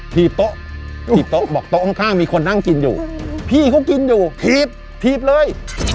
ที่โต๊ะถีบโต๊ะบอกโต๊ะข้างมีคนนั่งกินอยู่พี่เขากินอยู่ถีบถีบเลย